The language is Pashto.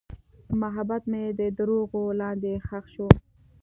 محبت مې د دروغو لاندې ښخ شو.